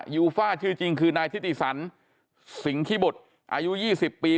ยูฟ่าชื่อจริงคือนายทิติสันสิงคิบุตรอายุ๒๐ปี